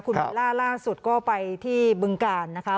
คุณเบลล่าล่าสุดก็ไปที่บึงกาลนะคะ